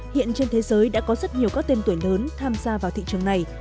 hiện trên thế giới đã có rất nhiều các tên tuổi lớn tham gia vào thị trường này